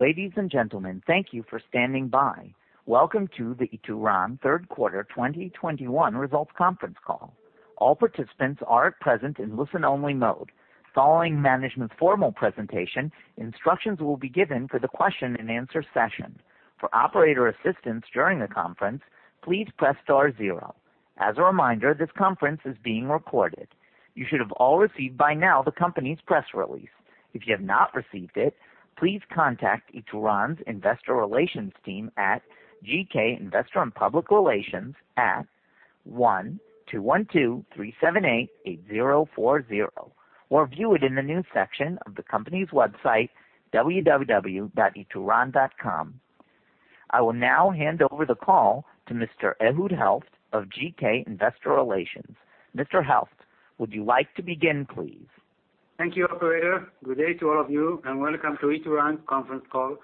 Ladies and gentlemen, thank you for standing by. Welcome to the Ituran Third Quarter 2021 Results Conference Call. All participants are at present in listen-only mode. Following management's formal presentation, instructions will be given for the question and answer session. For operator assistance during the conference, please press star zero. As a reminder, this conference is being recorded. You should have all received by now the company's press release. If you have not received it, please contact Ituran's investor relations team at GK Investor & Public Relations at 1-212-378-8040, or view it in the news section of the company's website www.ituran.com. I will now hand over the call to Mr. Ehud Helft of GK Investor Relations. Mr. Helft, would you like to begin, please? Thank you, operator. Good day to all of you, and welcome to Ituran conference call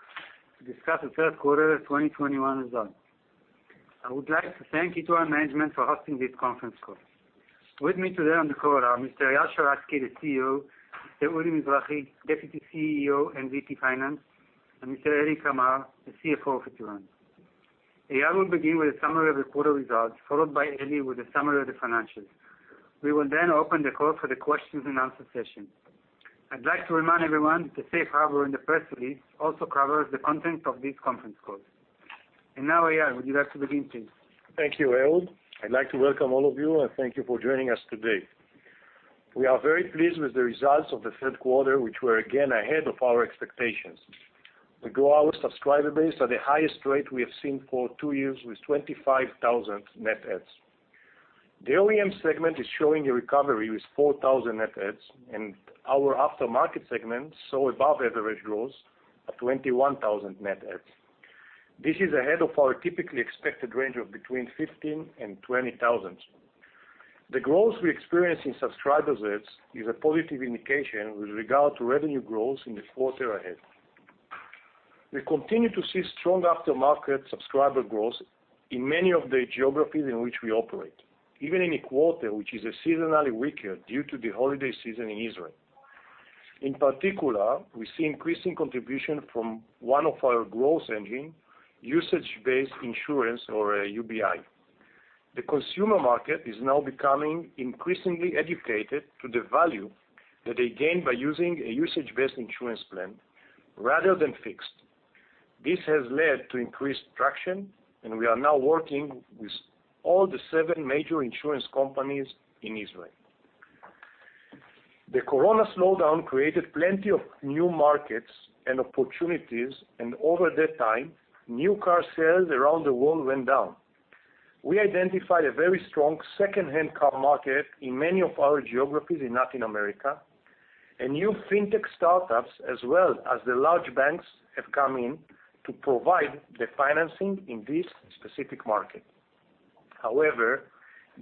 to discuss the third quarter 2021 results. I would like to thank Ituran management for hosting this conference call. With me today on the call are Mr. Eyal Sheratzky, the CEO, Mr. Udi Mizrahi, Deputy CEO and VP Finance, and Mr. Eli Kamer, the CFO of Ituran. Eyal will begin with a summary of the quarter results, followed by Eli with a summary of the financials. We will then open the call for the questions and answer session. I'd like to remind everyone that the safe harbor in the press release also covers the content of this conference call. Now, Eyal, would you like to begin, please? Thank you, Ehud. I'd like to welcome all of you and thank you for joining us today. We are very pleased with the results of the third quarter, which were again ahead of our expectations. We grew our subscriber base at the highest rate we have seen for TWO years with 25,000 net adds. The OEM segment is showing a recovery with 4,000 net adds, and our aftermarket segment saw above average growth of 21,000 net adds. This is ahead of our typically expected range of between 15,000 and 20,000. The growth we experience in subscriber adds is a positive indication with regard to revenue growth in the quarter ahead. We continue to see strong aftermarket subscriber growth in many of the geographies in which we operate, even in a quarter which is seasonally weaker due to the holiday season in Israel. In particular, we see increasing contribution from one of our growth engine, usage-based insurance or UBI. The consumer market is now becoming increasingly educated to the value that they gain by using a usage-based insurance plan rather than fixed. This has led to increased traction, and we are now working with all seven major insurance companies in Israel. The corona slowdown created plenty of new markets and opportunities, and over that time, new car sales around the world went down. We identified a very strong second-hand car market in many of our geographies in Latin America. New fintech startups, as well as the large banks, have come in to provide the financing in this specific market. However,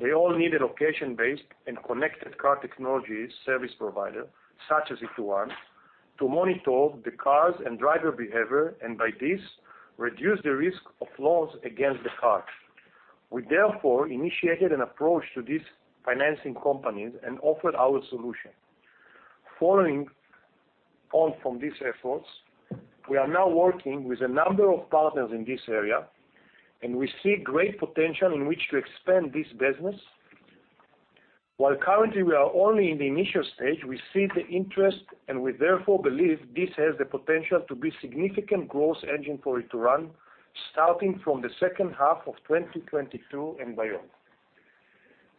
they all need a location-based and connected car technology service provider, such as Ituran, to monitor the cars and driver behavior, and by this, reduce the risk of loss against the cars. We therefore initiated an approach to these financing companies and offered our solution. Following on from these efforts, we are now working with a number of partners in this area, and we see great potential in which to expand this business. While currently we are only in the initial stage, we see the interest, and we therefore believe this has the potential to be significant growth engine for Ituran starting from the H2 of 2022 and beyond.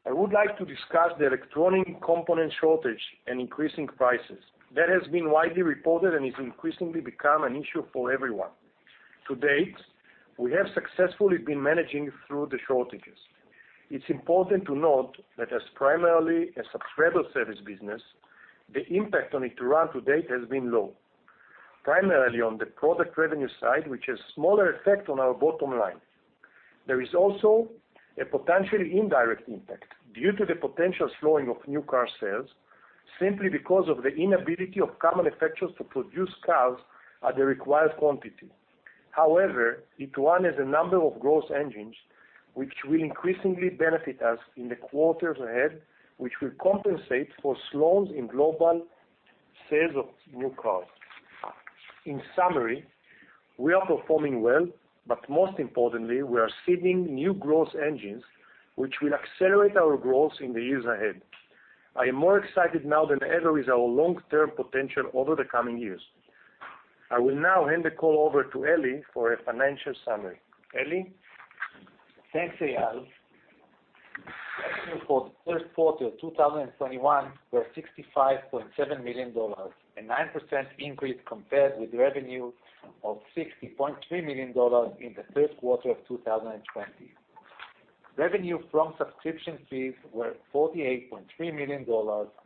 I would like to discuss the electronic component shortage and increasing prices. That has been widely reported and is increasingly become an issue for everyone. To date, we have successfully been managing through the shortages. It's important to note that as primarily a subscriber service business, the impact on Ituran to date has been low, primarily on the product revenue side, which has smaller effect on our bottom line. There is also a potentially indirect impact due to the potential slowing of new car sales, simply because of the inability of car manufacturers to produce cars at the required quantity. However, Ituran has a number of growth engines which will increasingly benefit us in the quarters ahead, which will compensate for slows in global sales of new cars. In summary, we are performing well, but most importantly, we are seeding new growth engines which will accelerate our growth in the years ahead. I am more excited now than ever with our long-term potential over the coming years. I will now hand the call over to Eli for a financial summary. Eli? Thanks, Eyal. Revenue for the third quarter 2021 was $65.7 million, a 9% increase compared with revenue of $60.3 million in the third quarter of 2020. Revenue from subscription fees was $48.3 million,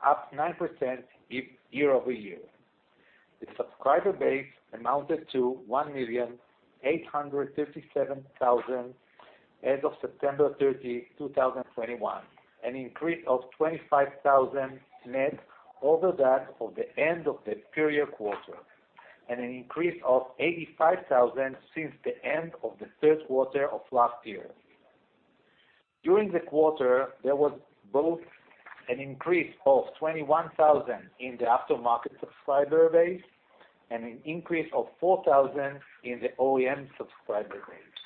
up 9% year-over-year. The subscriber base amounted to 1,857,000 as of September 30th, 2021, an increase of 25,000 net over that of the end of the prior quarter, and an increase of 85,000 since the end of the third quarter of last year. During the quarter, there was both an increase of 21,000 in the aftermarket subscriber base and an increase of 4,000 in the OEM subscriber base.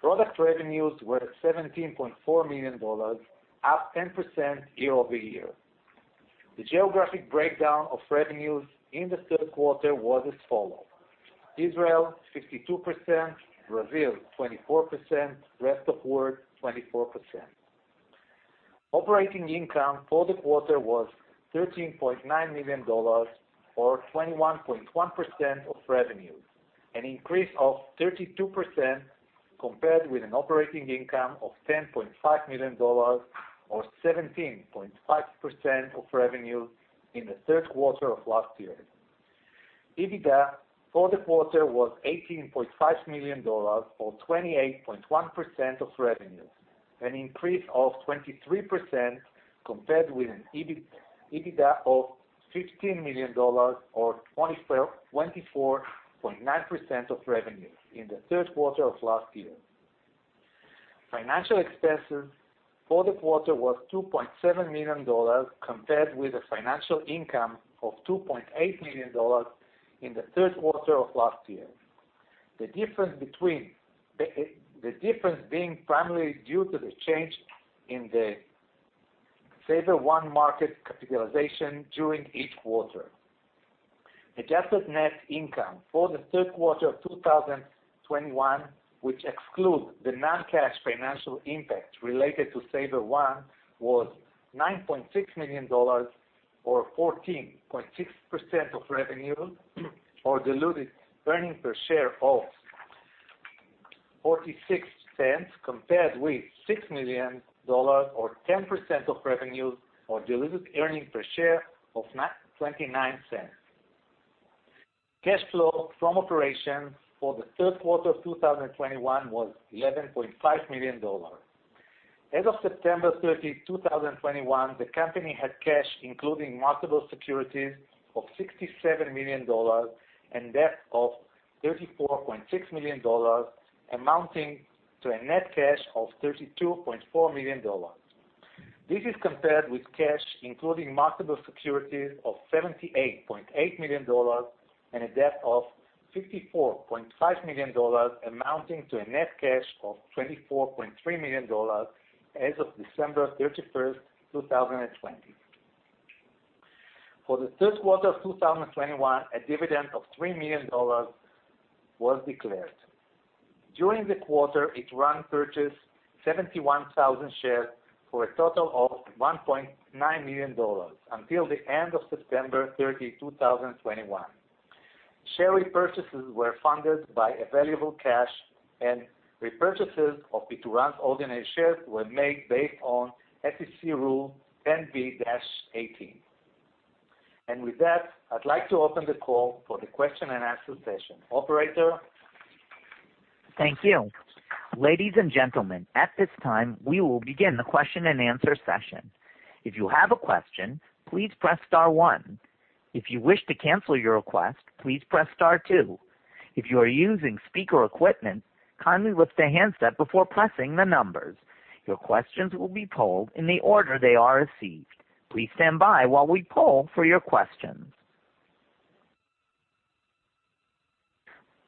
Product revenues were $17.4 million, up 10% year-over-year. The geographic breakdown of revenues in the third quarter was as follows: Israel 62%, Brazil 24%, rest of world 24%. Operating income for the quarter was $13.9 million or 21.1% of revenues, an increase of 32% compared with an operating income of $10.5 million or 17.5% of revenue in the third quarter of last year. EBITDA for the quarter was $18.5 million or 28.1% of revenues, an increase of 23% compared with an EBITDA of $15 million or 24.9% of revenue in the third quarter of last year. Financial expenses for the quarter was $2.7 million compared with a financial income of $2.8 million in the third quarter of last year. The difference being primarily due to the change in the SaferOne market capitalization during each quarter. Adjusted net income for the third quarter of 2021, which excludes the non-cash financial impact related to SaferOne, was $9.6 million or 14.6% of revenue, or diluted earnings per share of $0.46, compared with $6 million or 10% of revenues or diluted earnings per share of $0.29. Cash flow from operations for the third quarter of 2021 was $11.5 million. As of September 30th, 2021, the company had cash, including marketable securities, of $67 million and debt of $34.6 million, amounting to a net cash of $32.4 million. This is compared with cash, including marketable securities, of $78.8 million and a debt of $54.5 million, amounting to a net cash of $24.3 million as of December 31st, 2020. For the third quarter of 2021, a dividend of $3 million was declared. During the quarter, Ituran purchased 71,000 shares for a total of $1.9 million until the end of September 30, 2021. Share repurchases were funded by available cash, and repurchases of Ituran's ordinary shares were made based on SEC Rule 10b-18. With that, I'd like to open the call for the question-and-answer session. Operator? Thank you. Ladies and gentlemen, at this time, we will begin the question-and-answer session. If you have a question, please press star one. If you wish to cancel your request, please press star two. If you are using speaker equipment, kindly lift the handset before pressing the numbers. Your questions will be polled in the order they are received. Please stand by while we poll for your questions.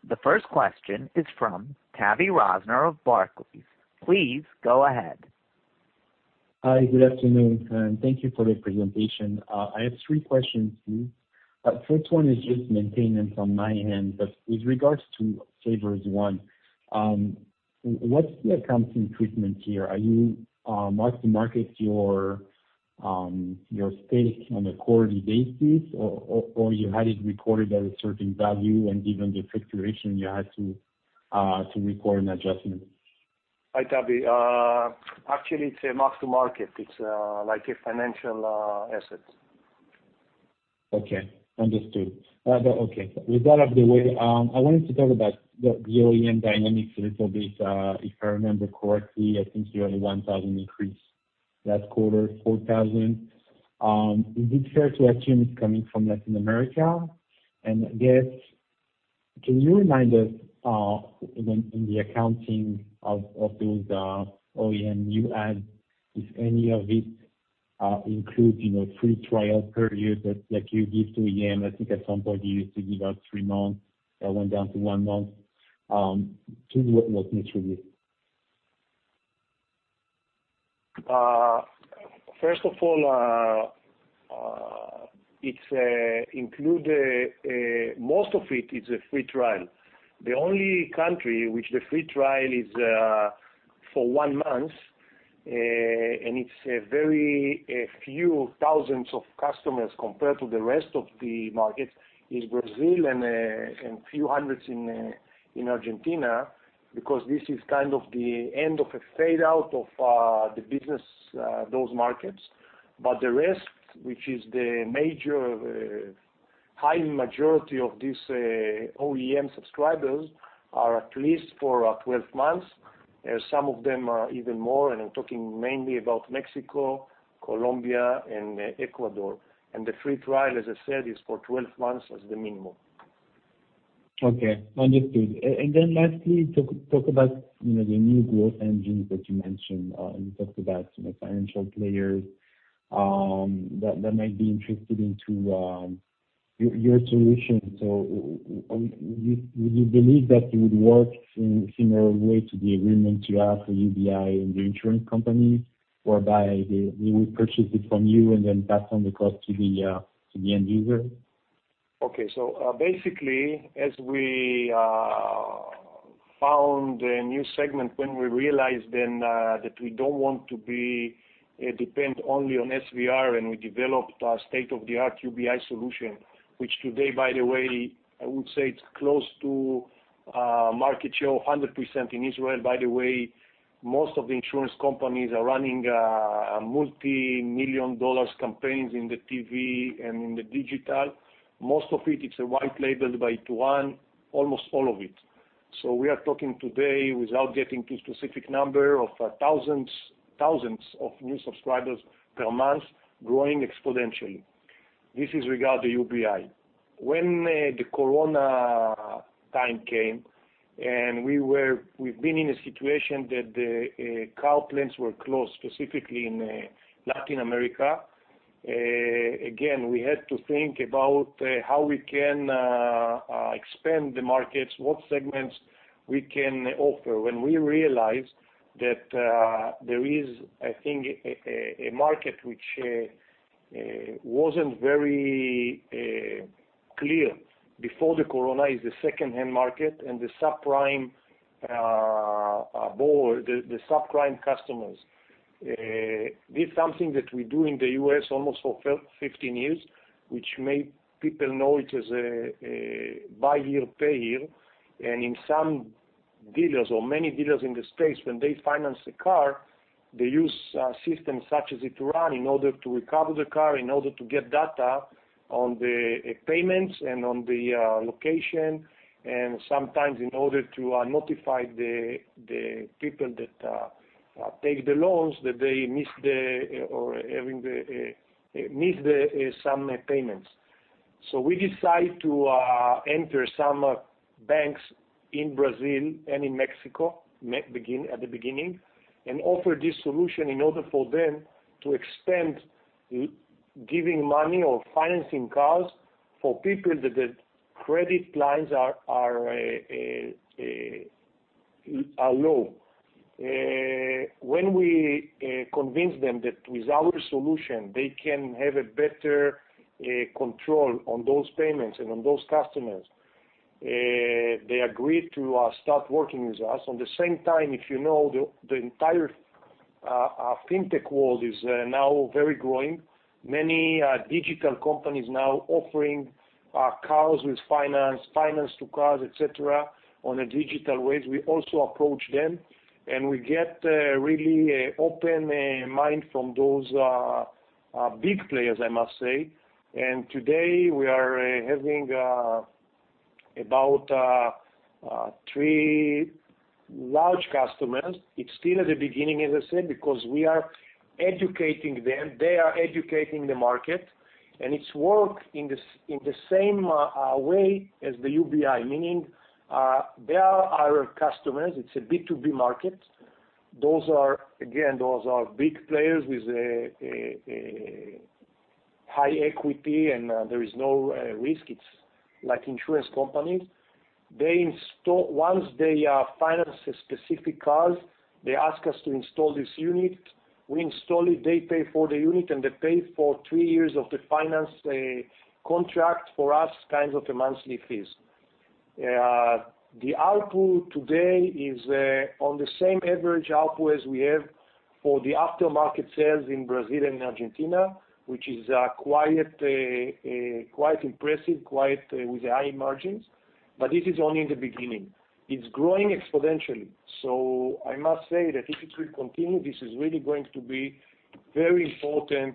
The first question is from Tavy Rosner of Barclays. Please go ahead. Hi. Good afternoon, and thank you for the presentation. I have three questions to you. First one is just maintenance on my end, but with regards to SaferOne, what's the accounting treatment here? Are you mark-to-market your stake on a quarterly basis or you had it recorded at a certain value, and given the fluctuation you had to record an adjustment? Hi, Tavy. Actually, it's a mark-to-market. It's like a financial asset. Okay, understood. Okay, with that out of the way, I wanted to talk about the OEM dynamics a little bit. If I remember correctly, I think you had a 1,000 increase last quarter, 4,000. Is it fair to assume it's coming from Latin America? I guess, can you remind us in the accounting of those OEM new adds, if any of it include, you know, free trial period that like you give to OEM? I think at some point you used to give out 3 months that went down to 1 month. Can you walk me through this? First of all, it's included; most of it is a free trial. The only country which the free trial is for one month and it's a very few thousand customers compared to the rest of the markets is Brazil and a few hundred in Argentina, because this is kind of the end of a phase out of the business in those markets. But the rest, which is the major, high majority of these OEM subscribers, are at least for 12 months, some of them are even more, and I'm talking mainly about Mexico, Colombia, and Ecuador. The free trial, as I said, is for 12 months as the minimum. Okay. Understood. Lastly, talk about, you know, the new growth engines that you mentioned and you talked about, you know, financial players that might be interested in your solution. Would you believe that it would work in similar way to the agreement you have for UBI and the insurance company, whereby they will purchase it from you and then pass on the cost to the end user? Okay. Basically, as we found a new segment when we realized that we don't want to be dependent only on SVR, and we developed a state-of-the-art UBI solution, which today, by the way, I would say it's close to 100% market share in Israel. By the way, most of the insurance companies are running multimillion-dollar campaigns in the TV and in the digital. Most of it is white labeled by Ituran, almost all of it. We are talking today without getting to a specific number, thousands of new subscribers per month growing exponentially. This is in regard to UBI. When the corona time came and we've been in a situation that the car plants were closed, specifically in Latin America, again, we had to think about how we can expand the markets, what segments we can offer. When we realized that there is, I think, a market which wasn't very clear before the corona, is the secondhand market and the subprime poor, the subprime customers. This is something that we do in the U.S. almost for 15 years, which many people know it as buy here, pay here. In some dealers or many dealers in the States, when they finance the car, they use a system such as Ituran in order to recover the car, in order to get data on the payments and on the location, and sometimes in order to notify the people that take the loans that they missed some payments. We decide to enter some banks in Brazil and in Mexico at the beginning, and offer this solution in order for them to extend giving money or financing cars for people that the credit lines are low. When we convince them that with our solution, they can have a better control on those payments and on those customers, they agreed to start working with us. At the same time, if you know, the entire fintech world is now very growing. Many digital companies now offering cars with finance to cars, et cetera, on a digital ways. We also approach them, and we get really open mind from those big players, I must say. Today we are having about three large customers. It's still at the beginning, as I said, because we are educating them. They are educating the market, and it works in the same way as the UBI, meaning they are our customers. It's a B2B market. Those are, again, big players with a high equity, and there is no risk. It's like insurance companies. they finance a specific cars, they ask us to install this unit. We install it, they pay for the unit, and they pay for three years of the finance contract for us, kind of a monthly fees. The output today is on the same average output as we have for the aftermarket sales in Brazil and Argentina, which is quite impressive with high margins, but this is only in the beginning. It's growing exponentially. I must say that if it will continue, this is really going to be very important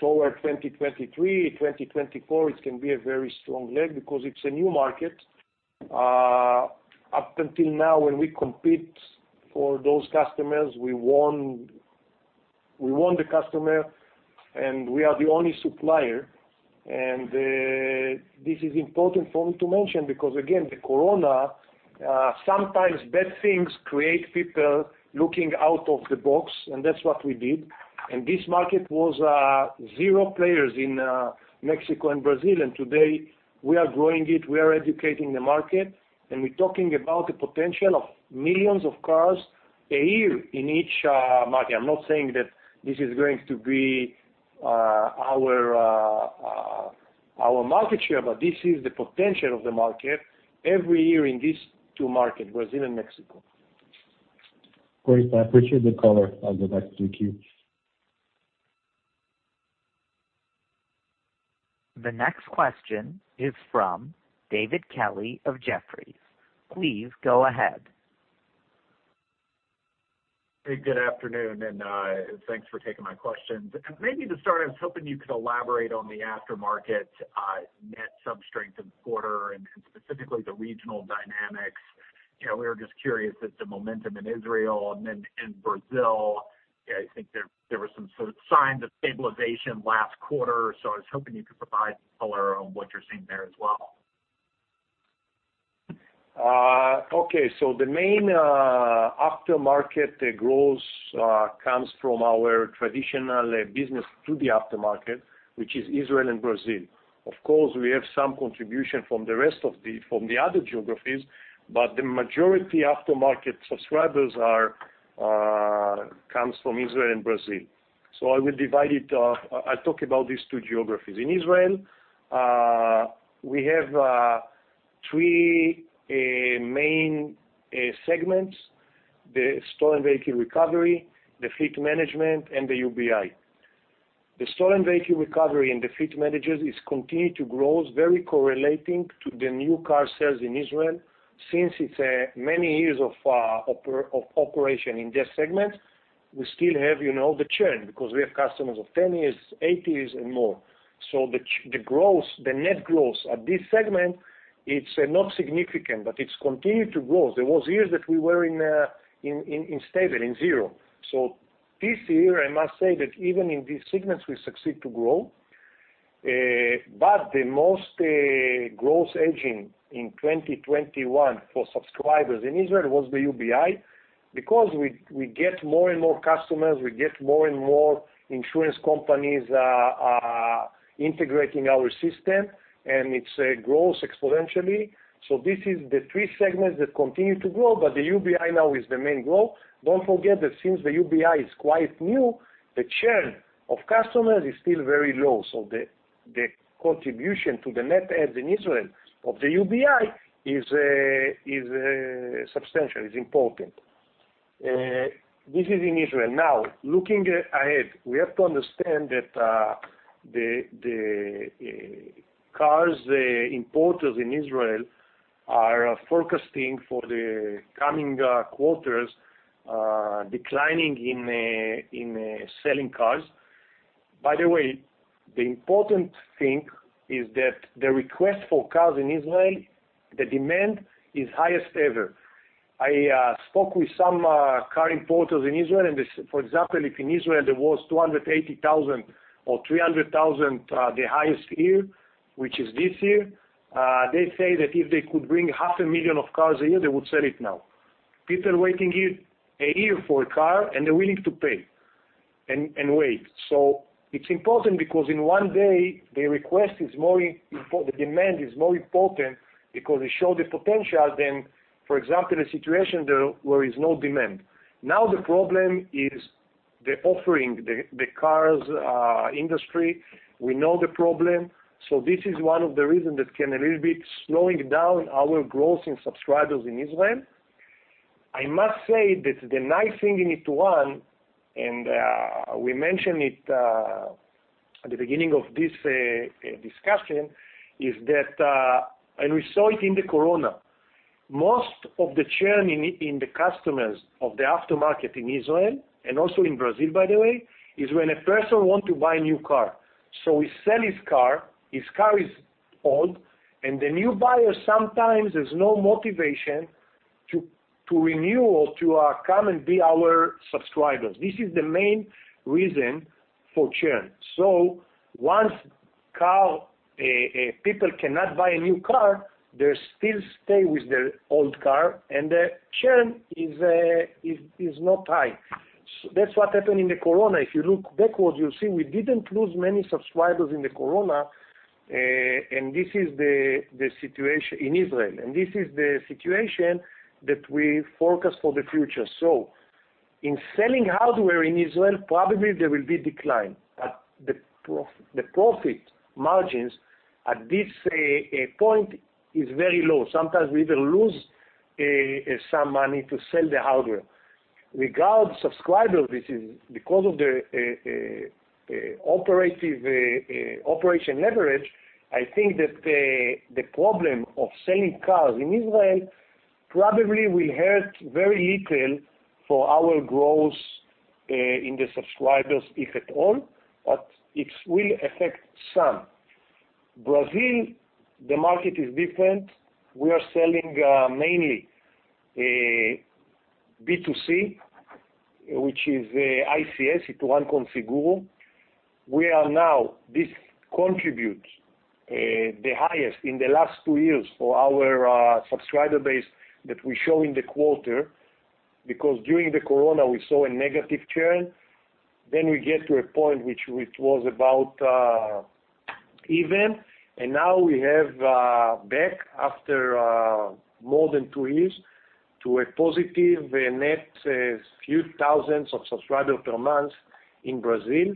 toward 2023, 2024. It can be a very strong leg because it's a new market. Up until now, when we compete for those customers, we won the customer, and we are the only supplier. This is important for me to mention, because again, the corona, sometimes bad things create people looking out of the box, and that's what we did. This market was zero players in Mexico and Brazil, and today we are growing it, we are educating the market, and we're talking about the potential of millions of cars a year in each market. I'm not saying that this is going to be our market share, but this is the potential of the market every year in these two market, Brazil and Mexico. Great. I appreciate the color. I'll get back to you. The next question is from David Kelley of Jefferies. Please go ahead. Hey, good afternoon, and thanks for taking my questions. Maybe to start, I was hoping you could elaborate on the aftermarket net sub-strength in the quarter and specifically the regional dynamics. You know, we were just curious that the momentum in Israel and then in Brazil, I think there was some sort of signs of stabilization last quarter. I was hoping you could provide color on what you're seeing there as well. Okay. The main aftermarket growth comes from our traditional business to the aftermarket, which is Israel and Brazil. Of course, we have some contribution from the other geographies, but the majority aftermarket subscribers comes from Israel and Brazil. I will divide it. I'll talk about these two geographies. In Israel, we have three main segments, the stolen vehicle recovery, the fleet management, and the UBI. The stolen vehicle recovery and the fleet management is continued to grow, very correlating to the new car sales in Israel. Since it's many years of operation in this segment, we still have, you know, the churn because we have customers of 10 years, eight years, and more. The growth, the net growth at this segment, it's not significant, but it's continued to grow. There was years that we were in stable, in zero. This year, I must say that even in these segments, we succeed to grow. But the most growth engine in 2021 for subscribers in Israel was the UBI. Because we get more and more customers, we get more and more insurance companies integrating our system, and it grows exponentially. This is the three segments that continue to grow, but the UBI now is the main growth. Don't forget that since the UBI is quite new, the churn of customers is still very low. The contribution to the net adds in Israel of the UBI is substantial, is important. This is in Israel. Now, looking ahead, we have to understand that the car importers in Israel are forecasting for the coming quarters a decline in selling cars. By the way, the important thing is that the request for cars in Israel, the demand is highest ever. I spoke with some car importers in Israel, and for example, if in Israel there was 280,000 or 300,000, the highest year, which is this year, they say that if they could bring 500,000 cars a year, they would sell it now. People waiting a year for a car, and they're willing to pay and wait. It's important because in one day, the demand is more important because it show the potential than, for example, a situation where there is no demand. Now, the problem is the offering, the car industry. We know the problem. This is one of the reason that can a little bit slowing down our growth in subscribers in Israel. I must say that the nice thing in Ituran we mentioned it at the beginning of this discussion is that we saw it in the corona. Most of the churn in the customers of the aftermarket in Israel, and also in Brazil, by the way, is when a person want to buy a new car. He sell his car, his car is old, and the new buyer sometimes has no motivation to renew or to come and be our subscribers. This is the main reason for churn. One's car, people cannot buy a new car, they still stay with their old car, and the churn is not high. That's what happened in the corona. If you look backwards, you'll see we didn't lose many subscribers in the corona. This is the situation in Israel, and this is the situation that we forecast for the future. In selling hardware in Israel, probably there will be decline. The profit margins at this point is very low. Sometimes we even lose some money to sell the hardware. Regarding subscribers, this is because of the operational leverage. I think that the problem of selling cars in Israel probably will hurt very little for our growth in the subscribers, if at all, but it will affect some. Brazil, the market is different. We are selling mainly B2C, which is ICS, Ituran Com Seguro. This contributes the highest in the last two years for our subscriber base that we show in the quarter, because during the corona, we saw a negative churn. We get to a point which was about even, and now we have back after more than two years to a positive net few thousand subscribers per month in Brazil.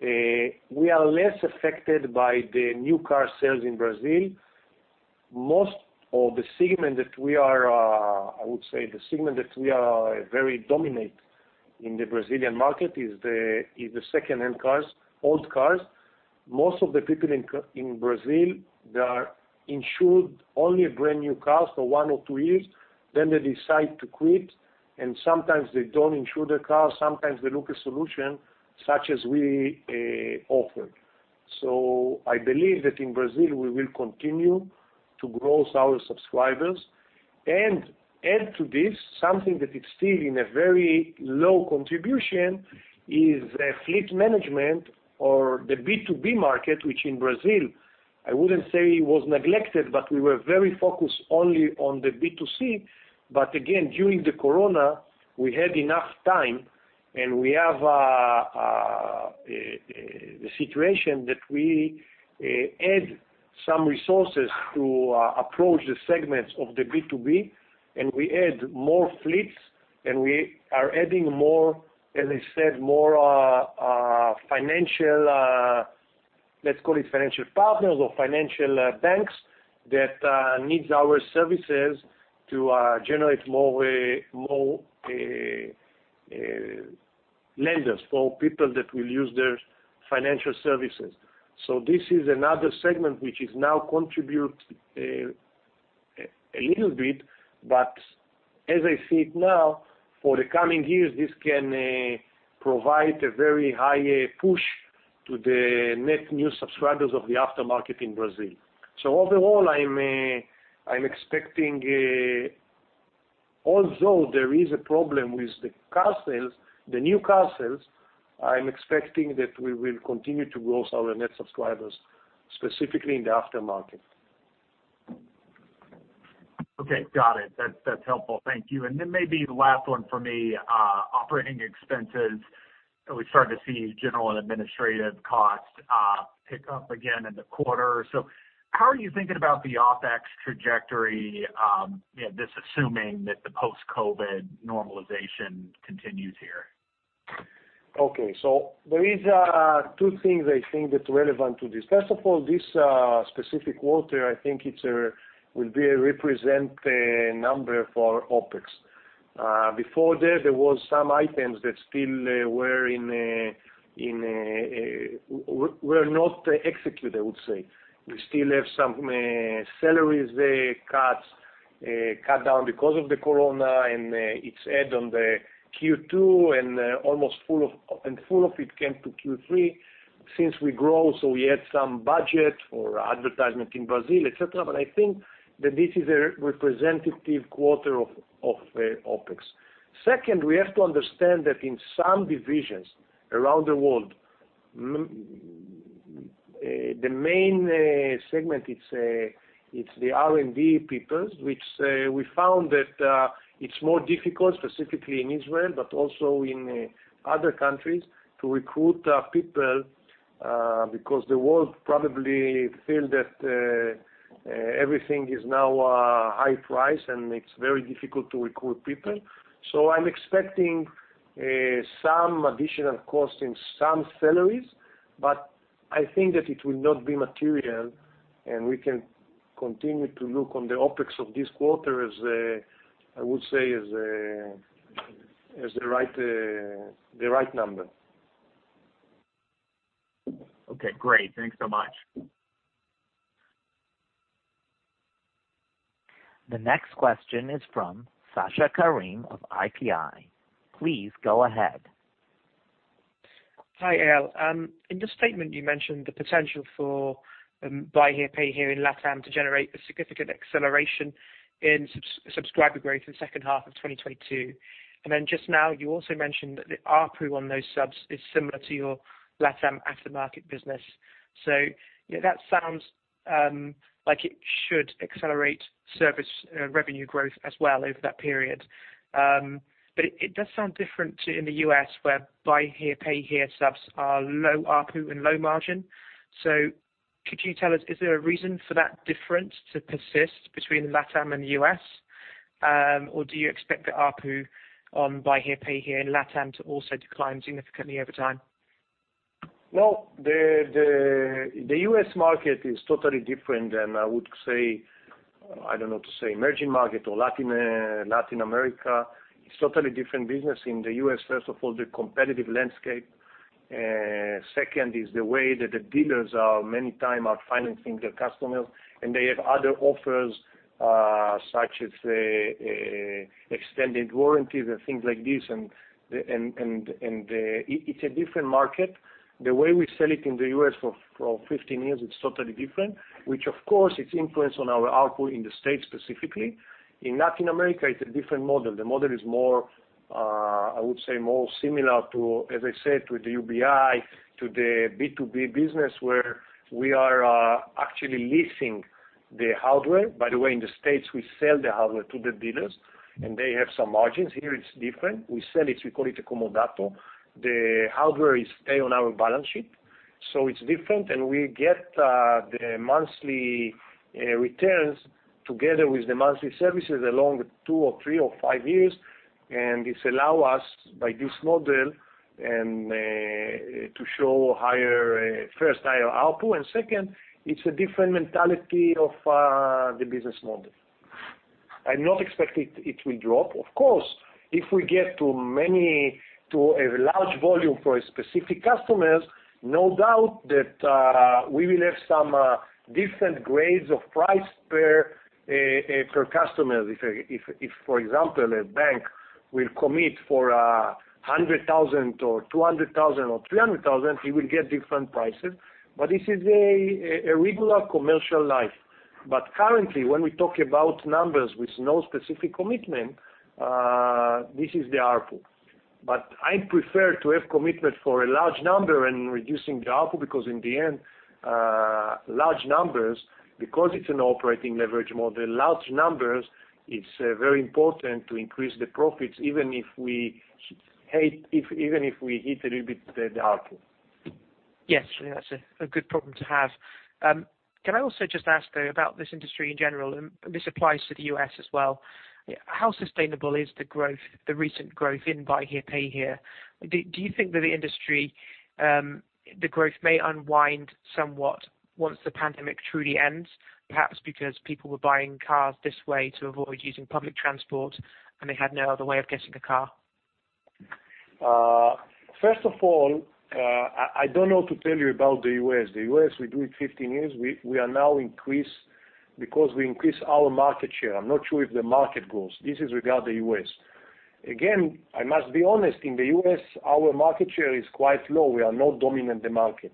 We are less affected by the new car sales in Brazil. Most of the segment that we are very dominant in the Brazilian market is the second-hand cars, old cars. Most of the people in Brazil, they are insured only brand-new cars for one or two years, then they decide to quit, and sometimes they don't insure their cars, sometimes they look for a solution, such as we offer. I believe that in Brazil, we will continue to grow our subscribers and add to this something that is still in a very low contribution is Fleet Management or the B2B market, which in Brazil, I wouldn't say it was neglected, but we were very focused only on the B2C. Again, during the corona, we had enough time, and we have a situation that we add some resources to approach the segments of the B2B, and we add more fleets, and we are adding more, as I said, more financial. Let's call it financial partners or financial banks that needs our services to generate more more lenders for people that will use their financial services. This is another segment which is now contribute a little bit, but as I see it now, for the coming years, this can provide a very high push to the net new subscribers of the aftermarket in Brazil. Overall, I'm expecting. Although there is a problem with the car sales, the new car sales, I'm expecting that we will continue to grow our net subscribers, specifically in the aftermarket. Okay, got it. That's helpful. Thank you. Then maybe the last one for me, operating expenses. We started to see general and administrative costs, pick up again in the quarter. How are you thinking about the OpEx trajectory, you know, just assuming that the post-COVID normalization continues here? Okay. There are two things I think that's relevant to this. First of all, this specific quarter, I think it will be a representative number for OpEx. Before that, there were some items that still were not executed, I would say. We still have some salary cuts because of the corona, and it added on the Q2 and full of it came to Q3. Since we grow, we had some budget for advertisement in Brazil, et cetera. I think that this is a representative quarter of OpEx. Second, we have to understand that in some divisions around the world, the main segment, it's the R&D people, which we found that it's more difficult, specifically in Israel, but also in other countries to recruit people, because the world probably feel that everything is now high price, and it's very difficult to recruit people. I'm expecting some additional costs in some salaries, but I think that it will not be material, and we can continue to look on the OpEx of this quarter as, I would say, the right number. Okay, great. Thanks so much. The next question is from Sasha Karim of IPI. Please go ahead. Hi, Eyal. In the statement you mentioned the potential for buy here, pay here in LatAm to generate a significant acceleration in subscriber growth in the H2 of 2022. Just now, you also mentioned that the ARPU on those subs is similar to your LatAm aftermarket business. You know, that sounds like it should accelerate service revenue growth as well over that period. It does sound different to in the U.S., where buy here, pay here subs are low ARPU and low margin. Could you tell us, is there a reason for that difference to persist between LatAm and the U.S.? Or do you expect the ARPU on buy here, pay here in LatAm to also decline significantly over time? Well, the U.S. market is totally different than, I would say, I don't know to say emerging market or Latin America. It's a totally different business. In the U.S., first of all, the competitive landscape. Second is the way that the dealers are many times financing their customers, and they have other offers, such as extended warranties and things like this. It's a different market. The way we sell it in the U.S. for 15 years, it's totally different, which of course, it's influenced on our ARPU in the States specifically. In Latin America, it's a different model. The model is more, I would say, more similar to, as I said, with the UBI, to the B2B business, where we are actually leasing the hardware. By the way, in the States, we sell the hardware to the dealers, and they have some margins. Here it's different. We sell it, we call it a comodato. The hardware is stay on our balance sheet, so it's different, and we get the monthly returns together with the monthly services along two or three or five years, and this allow us by this model and to show higher, first higher ARPU, and second, it's a different mentality of the business model. I'm not expecting it will drop. Of course, if we get too many, to a large volume for a specific customers, no doubt that we will have some different grades of price per customer. If for example, a bank will commit for 100,000 or 200,000 or 300,000, he will get different prices. This is a regular commercial life. Currently, when we talk about numbers with no specific commitment, this is the ARPU. I prefer to have commitment for a large number and reducing the ARPU because in the end, large numbers, because it's an operating leverage model, large numbers, it's very important to increase the profits, even if we hit a little bit the ARPU. Yes, that's a good problem to have. Can I also just ask, though, about this industry in general, and this applies to the U.S. as well. How sustainable is the growth, the recent growth in buy here, pay here? Do you think that the industry, the growth may unwind somewhat once the pandemic truly ends, perhaps because people were buying cars this way to avoid using public transport, and they had no other way of getting a car? First of all, I don't know what to tell you about the U.S. The U.S., we do it 15 years. We are now increasing because we increased our market share. I'm not sure if the market grows. This is regarding the U.S. Again, I must be honest, in the U.S., our market share is quite low. We are not dominating the market.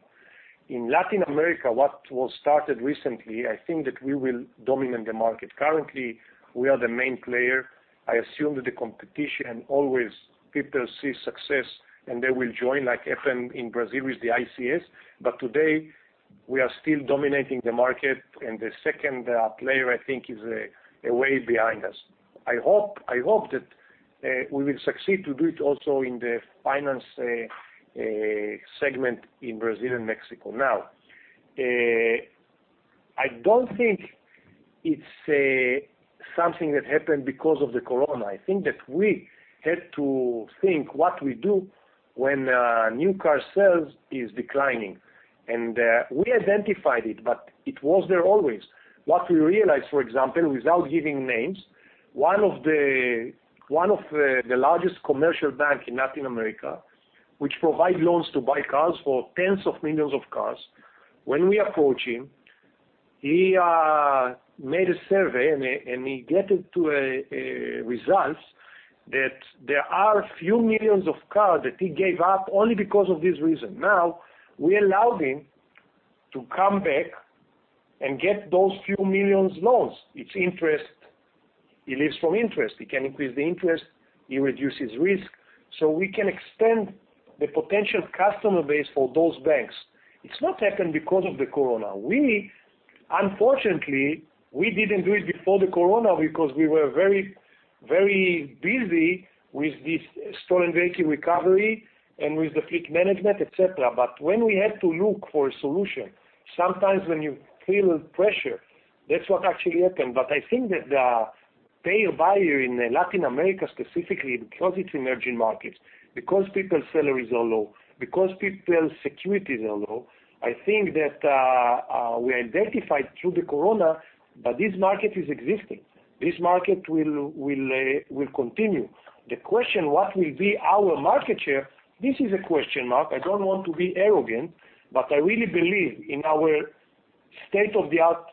In Latin America, what was started recently, I think that we will dominate the market. Currently, we are the main player. I assume that the competition always people see success, and they will join like FM in Brazil is the ICS. Today, we are still dominating the market, and the second player, I think, is a way behind us. I hope that we will succeed to do it also in the finance segment in Brazil and Mexico now. I don't think it's something that happened because of the corona. I think that we had to think what we do when new car sales is declining. We identified it, but it was there always. What we realized, for example, without giving names, one of the largest commercial bank in Latin America, which provide loans to buy cars for tens of millions of cars, when we approach him, he made a survey, and he got it to a results that there are a few million cars that he gave up only because of this reason. Now, we allowed him to come back and get those few million loans. It's interest. He lives from interest. He can increase the interest, he reduces risk. We can extend the potential customer base for those banks. It hasn't happened because of the corona. Unfortunately, we didn't do it before the corona because we were very, very busy with this stolen vehicle recovery and with the fleet management, et cetera. When we had to look for a solution, sometimes when you feel pressure, that's what actually happened. I think that the buy here, pay here in Latin America, specifically because it's emerging markets, because people's salaries are low, because people's savings are low, I think that we identified through the corona that this market exists. This market will continue. The question, what will be our market share? This is a question mark. I don't want to be arrogant, but I really believe in our state-of-the-art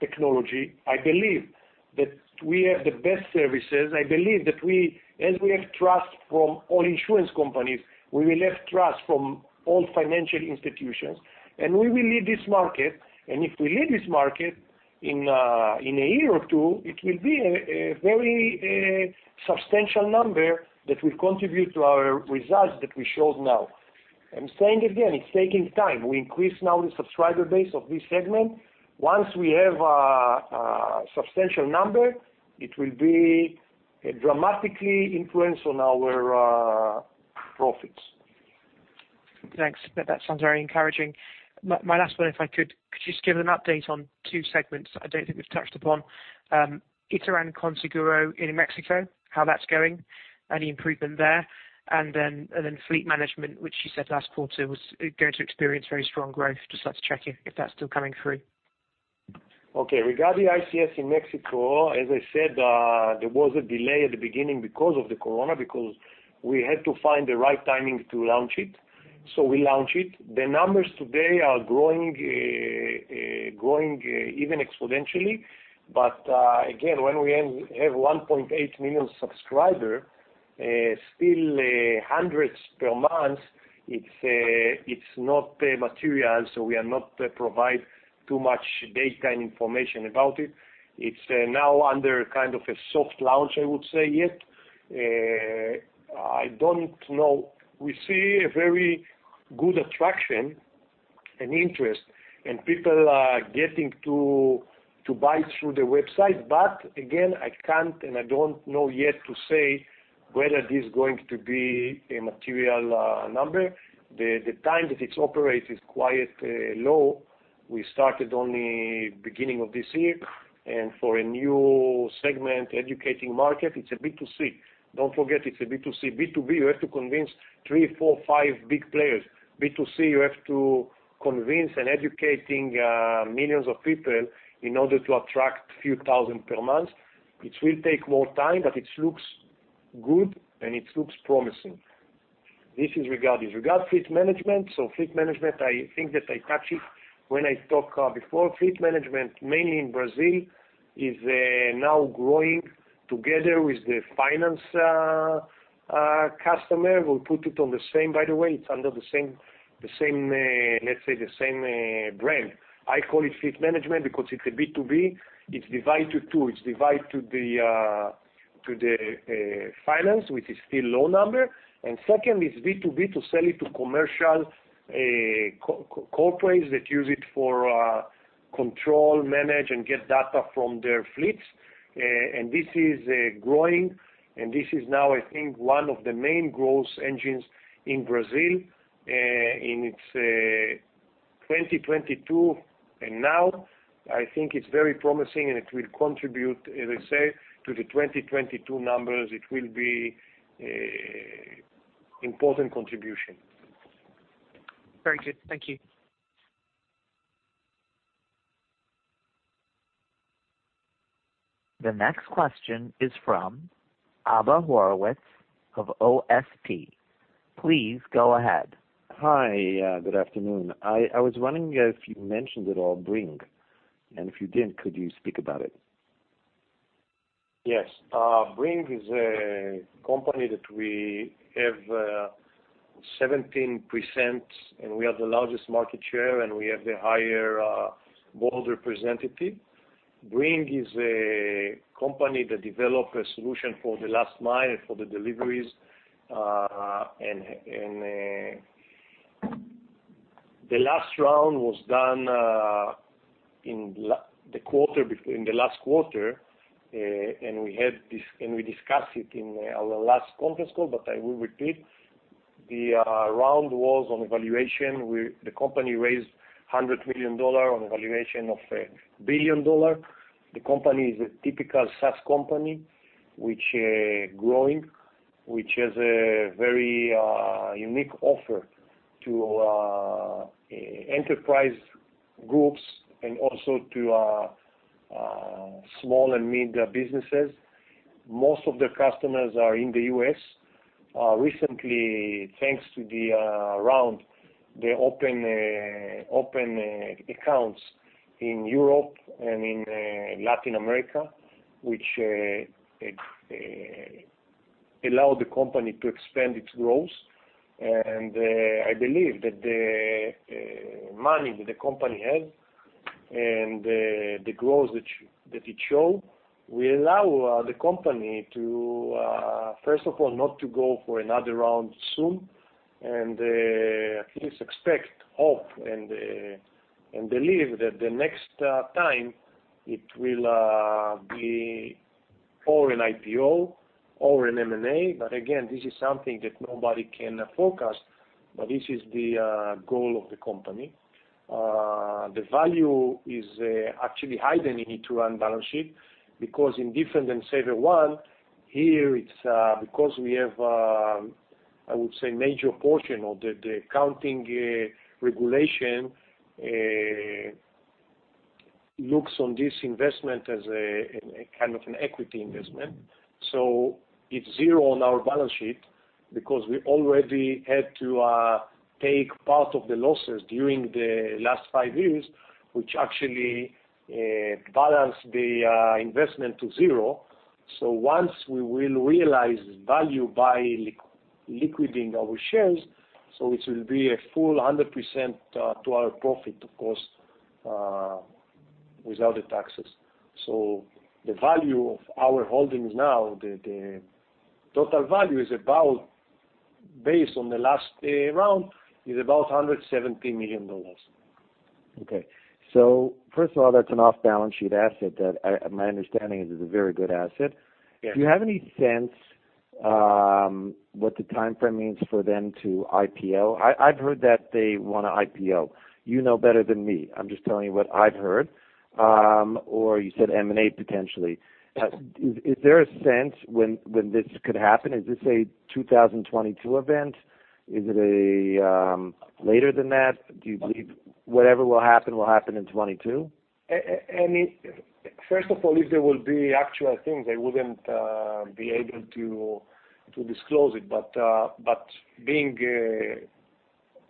technology. I believe that we have the best services. I believe that we, as we have trust from all insurance companies, we will have trust from all financial institutions, and we will lead this market. If we lead this market in a year or two, it will be a very substantial number that will contribute to our results that we showed now. I'm saying again, it's taking time. We increase now the subscriber base of this segment. Once we have a substantial number, it will be a dramatically influence on our profits. Thanks. That sounds very encouraging. My last one, if I could you just give an update on two segments I don't think we've touched upon, Ituran Com Seguro in Mexico, how that's going, any improvement there? Fleet Management, which you said last quarter was going to experience very strong growth. Just like to check if that's still coming through. Okay. Regarding ICS in Mexico, as I said, there was a delay at the beginning because of the corona, because we had to find the right timing to launch it. We launched it. The numbers today are growing even exponentially. Again, when we have 1.8 million subscribers, still hundreds per month, it's not material, so we are not providing too much data and information about it. It's now under kind of a soft launch, I would say, yet. I don't know. We see a very good attraction and interest, and people are getting to buy through the website. Again, I can't, and I don't know yet to say whether this is going to be a material number. The time that it's operating is quite low. We started only beginning of this year. For a new segment, educating the market, it's a B2C. Don't forget, it's a B2C. B2B, you have to convince three, four, five big players. B2C, you have to convincing and educating millions of people in order to attract few thousand per month, which will take more time, but it looks good, and it looks promising. This is regarding fleet management. Fleet management, I think that I touch it when I talk before. Fleet Management, mainly in Brazil, is now growing together with the finance customer. We'll put it on the same. By the way, it's under the same, let's say, brand. I call it fleet management because it's a B2B. It's divided to two. It's divided to the finance, which is still low number. Second is B2B to sell it to commercial, co-corporates that use it for control, manage, and get data from their fleets. This is growing, and this is now, I think, one of the main growth engines in Brazil. In its 2022, and now I think it's very promising, and it will contribute, as I say, to the 2022 numbers. It will be important contribution. Very good. Thank you. The next question is from Abba Horowitz of OSP. Please go ahead. Hi. Good afternoon. I was wondering if you mentioned it at all, Bringg, and if you didn't, could you speak about it? Yes. Bringg is a company that we have 17%, and we are the largest market share, and we have the higher board representative. Bringg is a company that developed a solution for the last mile and for the deliveries. The last round was done in the last quarter. We discussed it in our last conference call, but I will repeat. The round was on evaluation. The company raised $100 million on evaluation of $1 billion. The company is a typical SaaS company, which growing, which has a very unique offer to enterprise groups and also to small and mid businesses. Most of the customers are in the U.S. Recently, thanks to the round, they open accounts in Europe and in Latin America, which allow the company to expand its growth. I believe that the money that the company has and the growth that it show will allow the company to, first of all, not to go for another round soon, and at least expect, hope, and believe that the next time it will be or an IPO or an M&A. Again, this is something that nobody can forecast, but this is the goal of the company. The value is actually hiding in Ituran balance sheet because it's different than SaferOne. Here it's because we have I would say major portion of the accounting regulation looks on this investment as kind of an equity investment. It's zero on our balance sheet because we already had to take part of the losses during the last five years, which actually balanced the investment to zero. Once we will realize value by liquidating our shares, it will be a full 100% to our profit, of course, without the taxes. The value of our holdings now, the total value is about, based on the last round, is about $170 million. Okay. First of all, that's an off-balance sheet asset that, in my understanding, is a very good asset. Yes. Do you have any sense what the timeframe means for them to IPO? I've heard that they want to IPO. You know better than me. I'm just telling you what I've heard. You said M&A potentially. Is there a sense when this could happen? Is this a 2022 event? Is it later than that? Do you believe whatever will happen will happen in 2022? Anyway, first of all, if there will be actual things, I wouldn't be able to disclose it. Being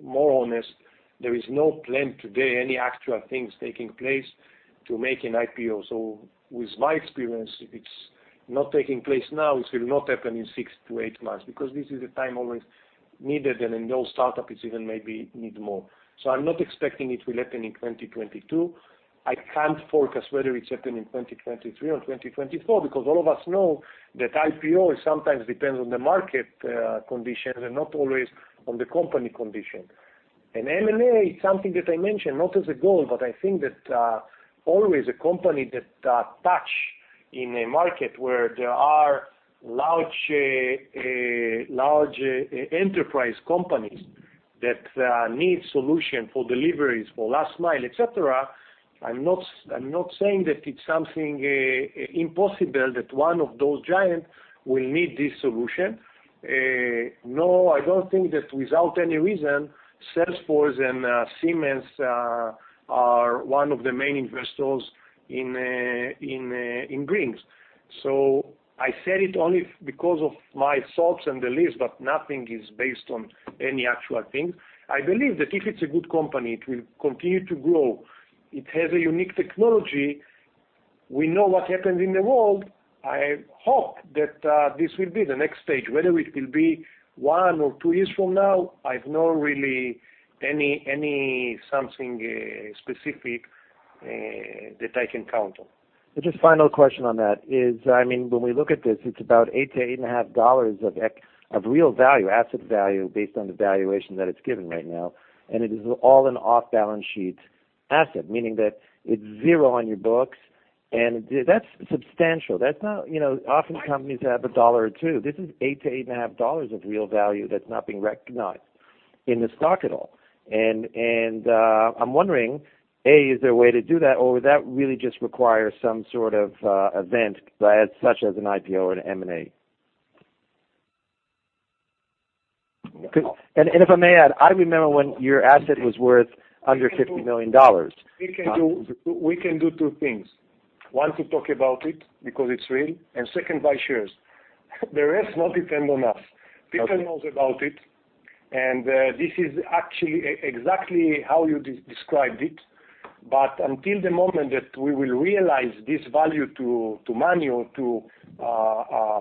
more honest, there is no plan today, any actual things taking place to make an IPO. With my experience, if it's not taking place now, it will not happen in 6-8 months because this is a time always needed, and in all startup it's even maybe need more. I'm not expecting it will happen in 2022. I can't forecast whether it's happen in 2023 or 2024 because all of us know that IPO sometimes depends on the market condition and not always on the company condition. M&A is something that I mentioned, not as a goal, but I think that always a company that touches a market where there are large enterprise companies that need solutions for deliveries, for last mile, et cetera. I'm not saying that it's something impossible that one of those giants will need this solution. No, I don't think that without any reason, Salesforce and Siemens are one of the main investors in Bringg. So I said it only because of my thoughts and the list, but nothing is based on any actual things. I believe that if it's a good company, it will continue to grow. It has a unique technology. We know what happens in the world. I hope that this will be the next stage. Whether it will be one or two years from now, I have no really any something specific that I can count on. Just a final question on that is, I mean, when we look at this, it's about $8-$8.5 of real value, asset value based on the valuation that it's given right now, and it is all an off-balance sheet asset, meaning that it's zero on your books, and that's substantial. That's not, you know, often companies have a dollar or two. This is $8-$8.5 of real value that's not being recognized in the stock at all. I'm wondering, A, is there a way to do that, or would that really just require some sort of event, such as an IPO or an M&A? If I may add, I remember when your asset was worth under $50 million. We can do two things. One, to talk about it because it's real, and second, buy shares. The rest not depend on us. People knows about it, and this is actually exactly how you described it. But until the moment that we will realize this value to money or to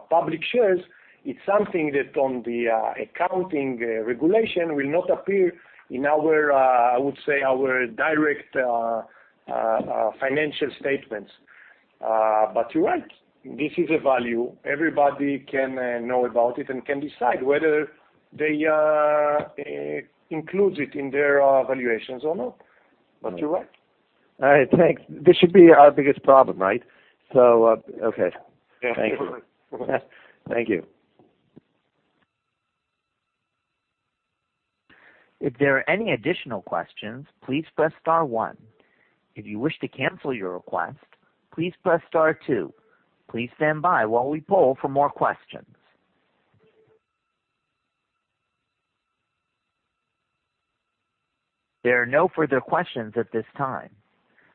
public shares, it's something that on the accounting regulation will not appear in our, I would say, our direct financial statements. But you're right. This is a value. Everybody can know about it and can decide whether they include it in their valuations or not. But you're right. All right, thanks. This should be our biggest problem, right? Okay. Thank you. Yeah. Thank you.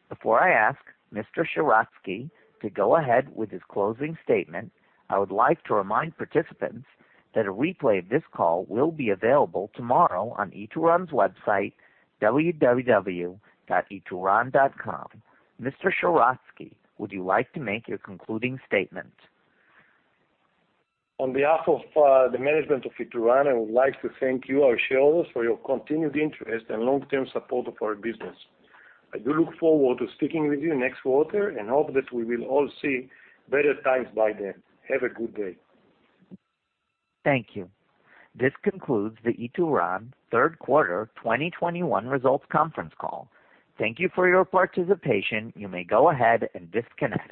Before I ask Mr. Sheratzky to go ahead with his closing statement, I would like to remind participants that a replay of this call will be available tomorrow on Ituran's website, www.ituran.com. Mr. Sheratzky, would you like to make your concluding statement? On behalf of the management of Ituran, I would like to thank you, our shareholders, for your continued interest and long-term support of our business. I do look forward to speaking with you next quarter and hope that we will all see better times by then. Have a good day. Thank you. This concludes the Ituran third quarter 2021 results conference call. Thank you for your participation. You may go ahead and disconnect.